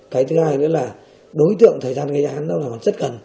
cái thứ hai nữa là đối tượng thời gian gây án nó là còn rất gần